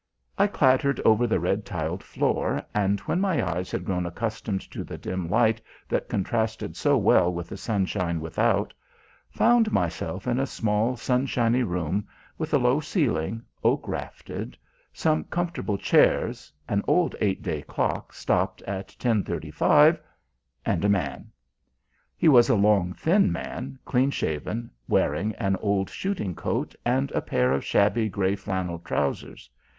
I clattered over the red tiled floor, and when my eyes had grown accustomed to the dim light that contrasted so well with the sunshine without, found myself in a small sunshiny room, with a low ceiling, oak rafted, some comfortable chairs, an old eight day clock stopped at ten thirty five, and a man. He was a long thin man, clean shaven, wearing an old shooting coat and a pair of shabby grey flannel trousers.